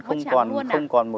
không còn một cái gì nào